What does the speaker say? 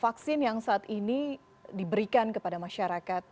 vaksin yang saat ini diberikan kepada masyarakat